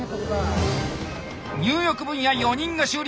入浴分野４人が終了！